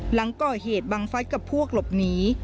หลังก่อเหตุบังฟัสกับพวกหลบหนี